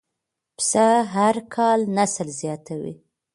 پسه هر کال نسل زیاتوي.